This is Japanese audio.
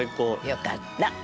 よかった。